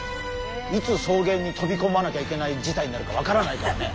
いつ草原にとびこまなきゃいけない事態になるかわからないからね。